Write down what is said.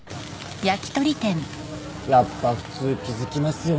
やっぱ普通気付きますよね。